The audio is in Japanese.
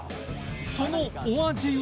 そのお味は